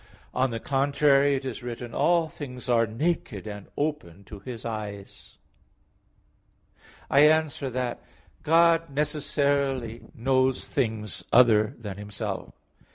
On the contrary, It is written: "All things are naked and open to His eyes" (Heb. 4:13). I answer that, God necessarily knows things other than Himself.